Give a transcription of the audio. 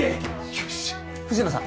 よしっ藤野さん